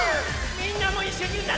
みんなもいっしょにうたって！